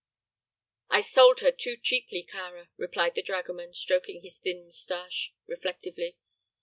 "I sold her too cheaply, Kāra," remarked the dragoman, stroking his thin mustache reflectively.